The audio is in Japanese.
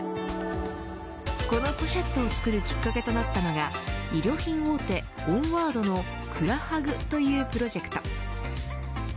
このポシェットを作るきっかけとなったのが衣料品大手オンワードのクラハグというプロジェクト。